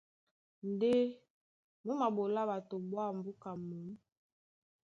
Ndé mú maɓolá ɓato ɓwǎm̀ búka mǒm.